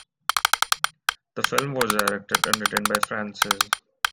The film was directed and written by Francis.